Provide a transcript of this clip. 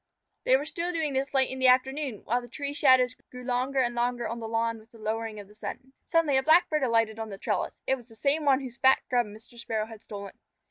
They were still doing this late in the afternoon, while the tree shadows grew longer and longer on the lawn with the lowering of the sun. Suddenly a Blackbird alighted on the trellis. It was the same one whose fat Grub Mr. Sparrow had stolen.